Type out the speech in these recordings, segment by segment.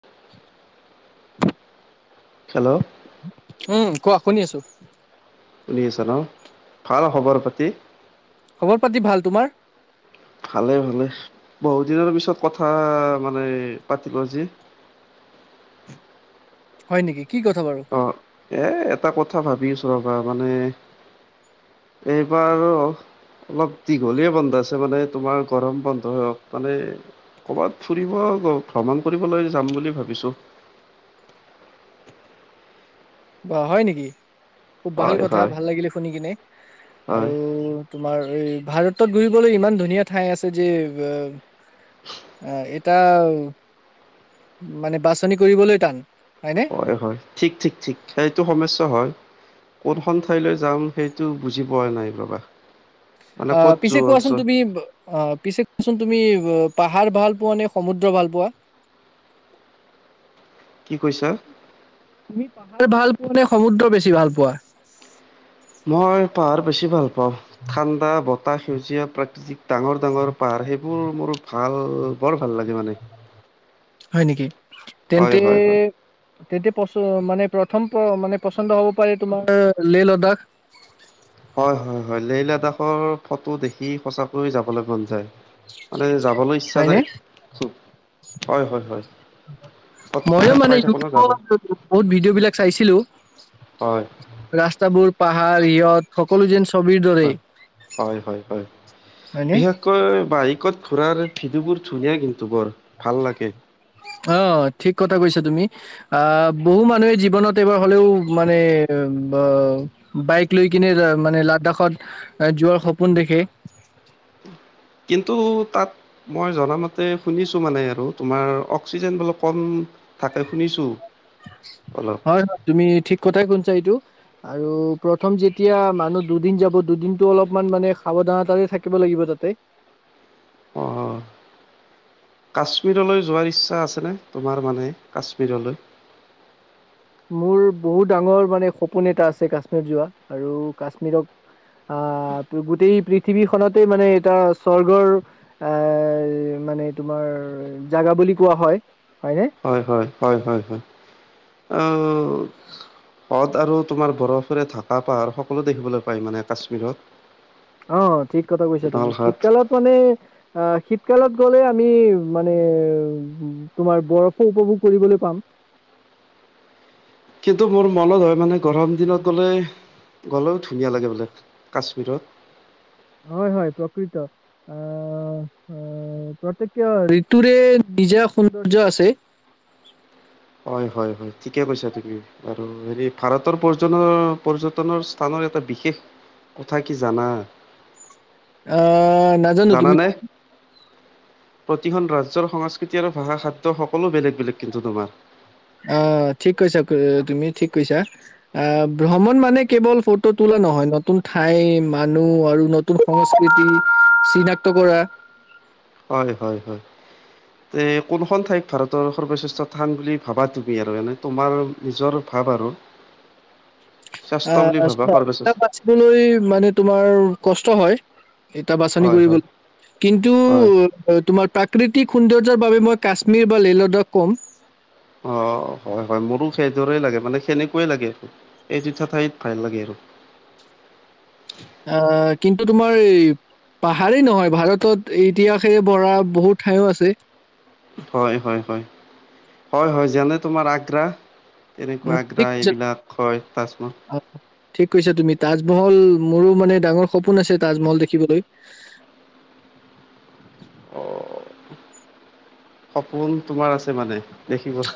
[unintelligible] Hello. উম কোৱা, শুনি আছো। শুনি আছা ন' ভাল খবৰ পাতি? খবৰ পাতি ভাল তোমাৰ ভালে ভালে বহু দিনৰ পিছত কথা মানে পাতিলো আজি। [inaudible] হয় নেকি? কি কথা বাৰু অ' এ এটা কথা ভাবি আছো ৰবা মানে এইবাৰো অলপ দীঘলীয়ে বন্ধ আছে মানে তোমাৰ গৰম বন্ধ হওক মানে কৰ'বাত ফুৰিব ভ্ৰমণ কৰিবলৈ যাম বুলি ভাবিছো। বা হয় নেকি? খুব ভাল হয় কথা হয় ভাল লাগিলে শুনি কিনে হয় আৰু তোমাৰ এই ভাৰতত ঘূৰিবলৈ ইমান ধুনীয়া ঠাই আছে যে তা মানে বাছনি কৰিবলৈ টান। হয়নে হয় হয় ঠিক ঠিক ঠিক সেইটো সমস্যা হয়। কোনখন ঠাইলৈ যাম সেইটো বুজি পোৱা নাই ৰবা। মানে অ ক'ত পিছে কোৱাচোন যোৱা তুমি অ পিছে কোৱাচোন তুমি পাহাৰ ভাল পোৱা নে সমুদ্ৰ ভাল পোৱা? কি কৈছা? তুমি পা ভাল পোৱা নে সমুদ্ৰ বেছি ভাল পোৱা? মই পাহাৰ বেছি ভাল পাওঁ ঠাণ্ডা ব এটা সেউজীয়া প্ৰাকৃতিক ডাঙৰ ডাঙৰ পাহাৰ সেইবোৰ মোৰ ভাল বৰ ভাল লাগে মানে। হয় নেকি হয় তেন্তে হয় হয়। তেতিয়া পচ মানে প্ৰথম প মানে পচন্দ হব পাৰে তোমাৰ লেহ লাডাখ। হয় হয় হয় লে লাডখৰ ফটো দেখি সচাকৈয যাবলৈ মন যায় মানে যাবলৈ ইচ্ছা হয়নে যায় খুব হয় হয় হয়। ময়ো ফটোবিলাক মানে পাই থাকো ন যাবলে ইউটিউবত বহুত ভিডিঅ' বিলাক চাইছিলো। হয় ৰাস্তাবোৰ পাহাৰ ইয়ত সকলো যেন ছবিৰ হয় দৰেই হয় হয় হয় হয়নে বিশেষকৈ বাৰিকত খুৰাৰ ভিদিওবোৰ ধুনিয়া কিন্তু বৰ ভাল লাগে। অ ঠিক কথা কৈছা তুমি আহ বহু মানুহে জীৱনত এইবাৰ হ'লেও মানে বাইক লৈ কিনে মানে লাডাখত যোৱাৰ সপোন দেখে। উম। কিন্তু তাত মই জনামতে শুনিছো মানে আৰু তোমাৰ অক্সিজেন বোলো কম। তাকে শুনিছো। হয়, হয় তুমি ঠিক কথাই শুনিছা সেইটো। আৰু প্ৰথম যেতিয়া মানুহ দুদিন যাব দুদিনতটো অলপমান মানে সাৱধানতাৰে থাকিব লাগিব। বিবলতে। অ' কাশ্মীৰলৈ যোৱাৰ ইচ্ছা আছেনে তোমাৰ মানে কাশ্মীৰলৈ? মোৰ বহুত ডাঙৰ মানে সপোন এটা আছে কাশ্মীৰ যোৱা আৰু কাশ্মীৰক আহ গোটেই পৃথিৱীখনতেই মানে এটা স্বৰ্গৰ এ মানে তোমাৰ জাগা বুলি কোৱা হয়। হয়নে? হয় হয় হয় হয় হয় আহ। হদ আৰু তোমাৰ বৰফেৰে ঢাকা পাহাৰ সকলো দেখিবলৈ পায় মানে কাশ্মীৰত। অ ঠিক কথা কৈছা তুমি নলহাট শীতকালত মানে অ' শীতকালত গ'লে আমি মানে তোমাৰ বৰফো উপভোগ কৰিবলৈ পাম। কিন্তু মোৰ মনত হয় মানে গৰম দিনত হ'লে। গ'লেও ধুনীয়া লাগে বোলে কাশ্মীৰত। হয়, হয়, প্ৰকৃত আ। অ' প্ৰত্যেক কিয় ঋতুৰে নিজা সৌন্দৰ্য্য আছে। [inaudible] হয়, হয়, হয়, ঠিকে কৈছা তুমি আৰু হেৰি ভাৰতৰ পৰ পৰ্যটনৰ স্থানৰ এটা। বিশেষ কথা কি জানা। আহ নাজানো তুমি জানানে? কোৱা। প্ৰতিখন ৰাজ্যৰ সংস্কৃতি আৰু ভাষা খাদ্য সকলো বেলেগ বেলেগ কিন্তু তোমাৰ। অ' ঠিক কৈছা, তুমি ঠিক কৈছা আহ ভ্ৰমণ মানে কেৱল ফটো তোলা নহয়, নতুন ঠাই মানুহ আৰু নতুন সংস্কৃতি চিনাক্ত কৰা। হয়, হয়, হয়। তে কোনখন ঠাইত ভাৰতৰ সৰ্বশ্ৰেষ্ঠ স্থান বুলি ভাবা তুমি আৰু এনে তোমাৰ নিজৰ ভাৱ। বাৰু। আহ এ বাচিবলৈ মানে তোমাৰ কষ্ট হয়। এটা বাচনি হয় হয় কৰিবলৈ কিন্তু হয় তোমাৰ প্ৰাক প্ৰাকৃতিক সৌন্দৰ্য্য বাবে মই কাশ্মীৰ বা লেহ লাডখ ক'ম। অ' হয়, হয় মোৰো সেইদৰে লাগে মানে সেনেকুৱে লাগে আৰু এই জোঠা ঠাইত ভাল লাগে আৰু। [inaudible] অ' কিন্তু। তোমাৰ এই পাহাৰেই নহয় ভাৰতত ইতিহাসে ভৰা বহুত ঠাইো আছে। হয়, হয়, হয়, হয়, হয় যেনে তোমাৰ আগ্ৰা। উম তেনেকুৱা ঠিক আগ্ৰা কৈছা এইবিলাক হয় তাজমল আহ, ঠিক কৈছা তুমি তাজমহল মোৰো মানে ডাঙৰ সপোন আছে তাজমহল দেখিবলৈ। অ' সপোন তোমাৰ আছে মানে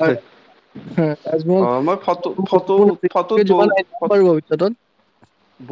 হয়, হয়, তাজমহল অ' মই ফটো ফটো সম্পূৰ্ণ পৃথিৱীৰ ফটোত যোৱা বহু। নাই, যাম বাৰু ভৱিষ্যতত।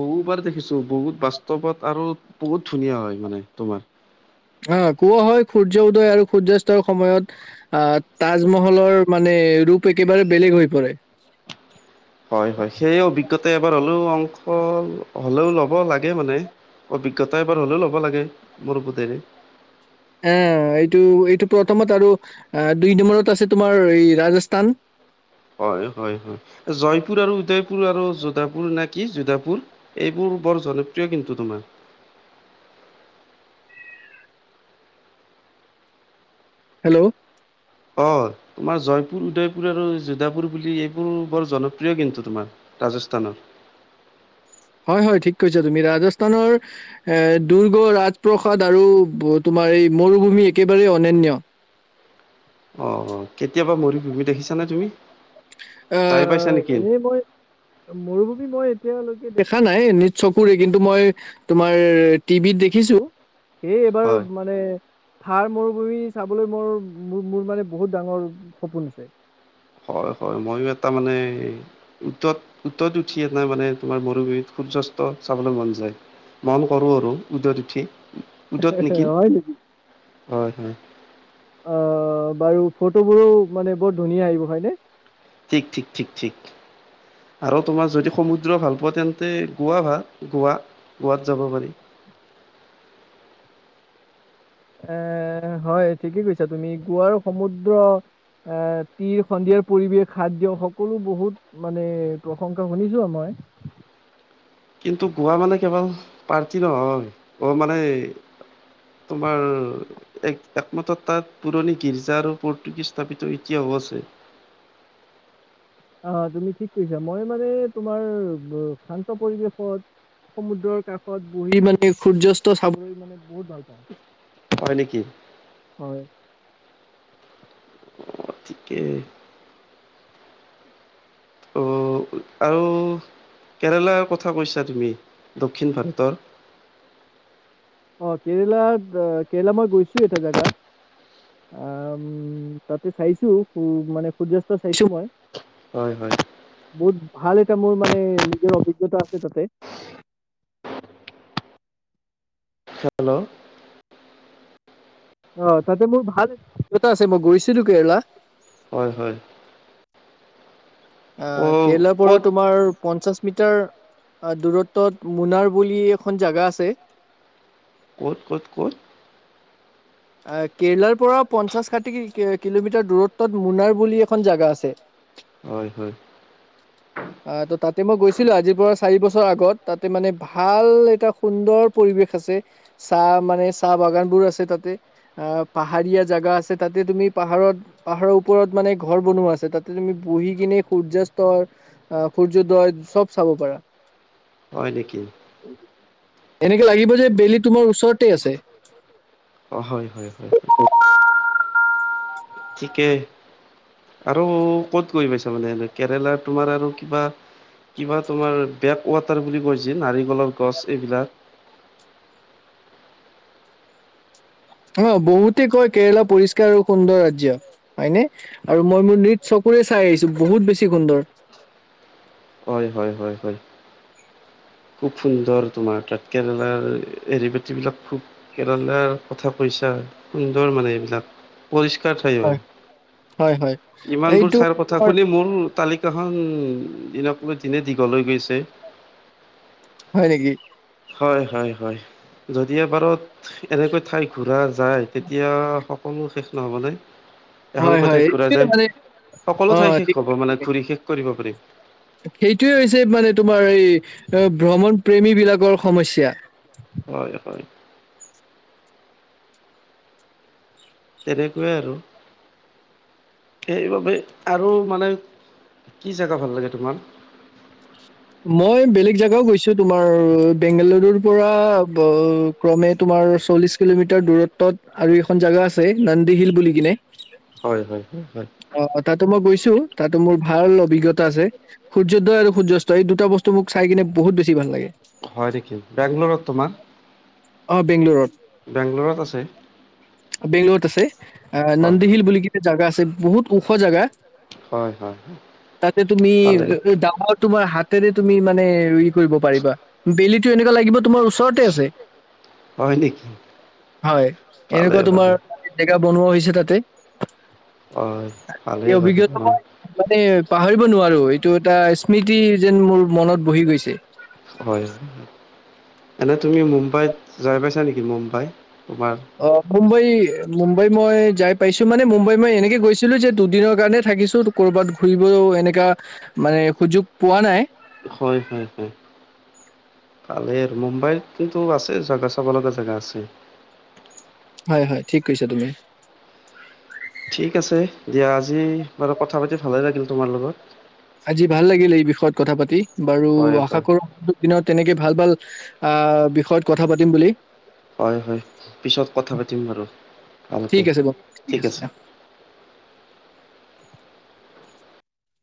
বহুবাৰ দেখিছো বহুত বাস্ত পত আৰু বহুত ধুনীয়া হয় মানে তোমাৰ। অ' কোৱা হয় সূৰ্য উদয় আৰু সূৰ্যয়াস্তৰ সময়ত আহ তাজমহলৰ মানে। ৰূপ একেবাৰে বেলেগ হৈ পৰে। [unintelligible] হয়, হয়, সেয়ে অভিজ্ঞতা এবাৰ হ'লেও অংশ হ'লেও ল'ব লাগে মানে। অভিজ্ঞতা এবাৰ হলেও ল'ব লাগে মোৰ বোতেৰে। আহ এইটো এইটো প্ৰথমত আৰু দুই নম্বৰত আছে তোমাৰ এই ৰাজস্থান। হয়, হয়, হয়, জয়পুৰ আৰু উদয়পুৰ আৰু যোধাপুৰ নে কি যোধাপুৰ এইবোৰ। বৰ জনপ্ৰিয় কিন্তু তোমাৰ। হেল্ল' অ' তোমাৰ জয়পুৰ উদয়পুৰ আৰু যোদাপুৰ বুলি এইবোৰ বৰ জনপ্ৰিয় কিন্তু তোমাৰ ৰাজস্থানৰ। [unintelligible] হয়, হয়, ঠিক কৈছা তুমি ৰাজস্থানৰ এ দু ৰাজপ্ৰাদ আৰু তোমাৰ মৰুভূমি একেবাৰেই অনান্য। অ' কেতিয়াবা মৰি ভুমি দেখিছা নে তুমি। চাই পাইছা আহ নেকি এনেই মই মৰুভৱী মই। এতিয়ালৈকে দেখা নাই নিজ চকুৰে, কিন্তু মই তোমাৰ টিভিত দেখিছো সেই এইবাৰ হয় মানে থাৰ মৰুভূমি চাবলৈ মোৰ মোৰ মানে বহুত ডাঙৰ সপোন আছে। হয়, হয়, মইও এটা মানে উটত উটত উঠি এটা মানে তোমাৰ মৰুভূমিত সূৰ্য চাবলৈ মন যায় মন কৰো আৰু উদত উঠি। উদত নেকিল। হয় নেকি হয়, হয়। অ', বাৰু ফটোবোৰো মানে বৰ ধুনীয়া আহিব হয়নে? ঠিক, ঠিক, ঠিক, ঠিক। আৰু তোমাৰ যদি সমুদ্ৰ ভাল পোৱা তেন্তে গোৱা ভাল, গোৱা, গোৱাত যাব পাৰি। [unintelligible] এ হয়, ঠিকেই কৈছা তুমি গোৱাৰো সমুদ্ৰ এ তীৰ সন্ধিয়াৰ পৰিৱেশ খাদ্য সকলো বহুত মানে প্ৰশংসা শুনিছো মই। কিন্তু গোৱা মানে কেৱল পাৰ্টি নহয়, অ', মানে তোমাৰ এক একমাত্ৰ তাত পুৰণি গীৰ্জা আৰু পৰতুগিজ স্থাপিত এতিয়াও প আছে। অ', তুমি ঠিক কৰিছা মই মানে তোমাৰ শান্ত পৰিৱেশত সমুদ্ৰৰ কাষত বহি মানে সূৰ্যাস্ত চাবলৈ মানে বহুত ভাল পাওঁ। হয় নেকি? হয় গতিকে অঁ। আৰু কেৰেলাৰ কথা কৈছা তুমি, দক্ষিণ ভাৰতৰ। [unintelligible] অ', কেৰেলাত কেৰেলা মই গৈছো এটা জেগাত। উম, তাতে চাইছো মানে সূৰ্যাস্ত চাইছো মই। হয়, হয়। বহুত ভাল এটা মোৰ মানে নিজৰ অভিজ্ঞতা আছে তাতে। [unintelligible] হেল্ল'? অ', তাতে মোৰ ভাল এটা [unintelligible] আছে মই গৈছিলো কেৰেলা। হয়, হয়। ক অ', কেৰেলাৰ পৰা ক'ত তোমাৰ পঞ্চাশ মিটাৰ দূৰত্বত মুনাৰ বুলি এখন জাগা আছে। ক'ত, ক'ত, ক'ত? কেৰেলাৰ পৰা পঞ্চাশ ষাঠি কিলোমিটাৰ দূৰত্বত মুনাৰ বুলি এখন জাগা আছে। হয়, হয়। অ', ত, তাতে মই গৈছিলো আজিৰ পৰা চাৰি বছৰ আগত তাতে মানে ভাল এটা সুন্দৰ পৰিৱেশ আছে। আছে চাহ মানে চাহ বাগান বোৰ আছে তাতে। অ', পাহাৰীয়া জেগা আছে তাতে তুমি পাহাৰত পাহাৰৰ ওপৰত মানে ঘৰ বনোৱা আছে তাতে ত তুমি বহি কিনে সূৰ্যয়াস্তৰ, অহ, সূৰ্যোদয় চব চাব পাৰা। হয় নেকি এনেকে লাগিব যে বেলি তোমাৰ ওচৰতে আছে অ', হয়, হয়, হয় ঠিকে আৰু ক'ত গৈ পাইছা মানে কেৰেলাত তোমাৰ আৰু কিবা কিবা তোমাৰ বেক ৱাটাৰ বুলি কৈছে নাৰিকলৰ গছ এইবিলাক অ', বহুতে কয় কেৰেলা পৰিষ্কাৰ আৰু সুন্দৰ ৰাজ্য হয়নে আৰু মই মোৰ নিজ ফুৰি চাই আহিছো বহুত বেছি সুন্দৰ হয়, হয়, হয়, হয়। খুব সুন্দৰ তোমাৰ তাত কেৰেলাৰ এৰি বাতি বিলাক খুব কেৰেলাৰ কথা কৈছা সুন্দৰ মানে এইবিলাক। পৰিষ্কাৰ ঠাই হয়, হয় হয় ইমানবোৰ এইটো ঠাইৰ কথা তোমাৰ শুনি মোৰ তালিকাখন দিনক লৈ দিনে দীঘলৈ গৈছে। হয় নেকি? হয়, হয়, হয়, যদি এবাৰত এনেকৈ ঠাই ঘুৰা যায় তেতিয়া কণো শেষ নহ'বনে? হয় এখনকৈ হয় ঠাই ঘুৰা এইটোৱে যায় মানে অ সকলো ঠাই শেষ হব মানে ঘূৰি শেষ কৰিব পাৰি সেইটোৱে হৈছে মানে তোমাৰ এই ভ্ৰমণ প্ৰেমী বিলাকৰ সমস্যা। হয়, হয় তেনেকুৱাই আৰু সেইবাবে আৰু মানে কি জেগা ভাল লাগে তোমাৰ মই বেলেগ জেগাও গৈছো তোমাৰ বেংগালুৰুৰ পৰা ক্ৰমে তোমাৰ চল্লিশ কিলোমিটাৰ দূৰত্বত আৰু এখন জাগা আছে নন্দী হিল বুলি কিনে হয়, হয় অ তাতো মই গৈছো তাতো মোৰ ভাল অভিজ্ঞতা আছে সূৰ্যোদয় আৰু সূৰ্যাস্ত তই দুটাস্তু মোক চাই কিনে বহুত বেছি ভাল লাগে। হয় নেকি বেংগলৰত অ বেংগলোৰত বেংগালোৰত আছে বেংলোৰত ত আছে হয় হয়। নন্দীহিল বুলি কিটা জোগা আছে বহুত ওখ জাগা হয় হয় হয় তাতে তুমি পালে ডাঙৰ ঙৰ তোমাৰ হাত তেনে তুমি মানে কৰিব পাৰিবা বেলিটো এনেকুৱা লাগিব তোমাৰ ওচৰতে আছে হয় নেকি। হয় পালে এনেকুৱা ভালে তোমাৰ জেগা বনোৱা হৈছে তাতে হয় ভালেই বাৰু এই তোমাৰ [unintelligible] পাহৰিব নোৱাৰো এইটো এটা স্মৃতি যেন মোৰ মনত বহি গৈছে। হয়, হয় এনে তুমি মুম্বাইত যাই পাইছা নেকি মুম্বাই তোমাৰ অ', মুম্বাই মুম্বাই মই যাই পাইছো মানে মুম্বাই মই এনেকে গৈছিলো যে দুদিনৰ কাৰণে থাকিছো ক'বাত ঘুৰিব এনেকা মানে সুযোগ পোৱা নাই হয়, হয়, হয় পালেই আৰু মুম্বাইত কিন্তু আছে জেগা চাব লগা জেগা আছে হয়, হয় ঠিক কৈছা, তুমি ঠিক আছে দিয়া আজি বাৰু কথা পাতি ভালে লাগিল তোমাৰ লগত আজি ভাল লাগিল, এই বিষয়ত কথা পাতি বাৰু হয় আশা হয়। কৰো আগ দিনৰত তেনেকে ভাল, ভাল আহ বিষয়ত কথা পাতিম বুলি হয়, হয় পিছত কথা পাতিম বাৰু ঠিক ভালকৈ আছে বাৰু ঠিক আছে